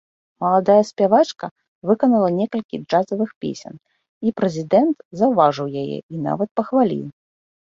Маладая спявачка выканала некалькі джазавых песень, і прэзідэнт заўважыў яе і нават пахваліў.